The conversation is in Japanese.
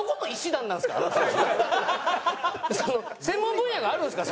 その専門分野があるんですか？